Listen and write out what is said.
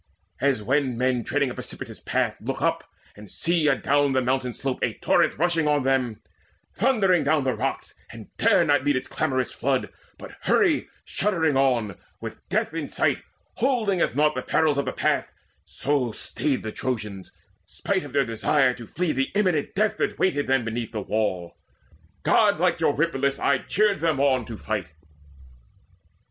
As when men treading a precipitous path Look up, and see adown the mountain slope A torrent rushing on them, thundering down The rocks, and dare not meet its clamorous flood, But hurry shuddering on, with death in sight Holding as naught the perils of the path; So stayed the Trojans, spite of their desire [To flee the imminent death that waited them] Beneath the wall. Godlike Eurypylus Aye cheered them on to fight.